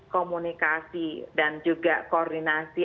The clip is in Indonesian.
komunikasi dan juga koordinasi